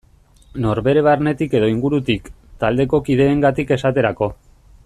Norbere barnetik edo ingurutik, taldeko kideengatik esaterako.